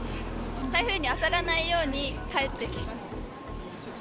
台風に当たらないように帰ってきます。